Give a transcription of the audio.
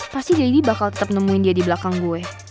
pasti daddy bakal tetep nemuin dia di belakang gue